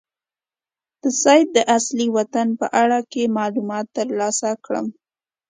د سید د اصلي وطن په باره کې معلومات ترلاسه کړم.